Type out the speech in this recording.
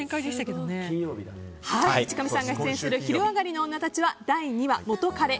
淵上さんが出演する「昼上がりのオンナたち」は第２話「元カレ」